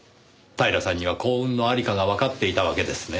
平さんには幸運のありかがわかっていたわけですね。